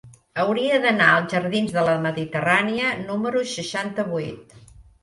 Hauria d'anar als jardins de la Mediterrània número seixanta-vuit.